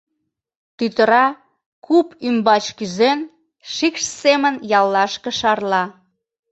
Тӱтыра, куп ӱмбач кӱзен, шикш семын яллашке шарла.